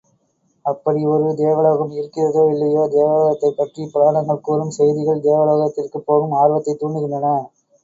அப்படி ஒரு தேவலோகம் இருக்கிறதோ, இல்லையோ தேவலோகத்தைப் பற்றிப் புராணங்கள் கூறும் செய்திகள் தேவலோகத்திற்குப் போகும் ஆர்வத்தைத் துரண்டுகின்றன.